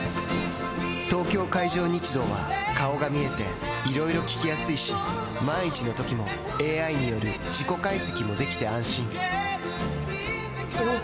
東京海上日動は顔が見えていろいろ聞きやすいし万一のときもＡＩによる事故解析もできて安心おぉ！